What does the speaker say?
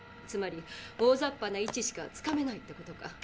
つまりおおざっぱな位置しかつかめないってことか。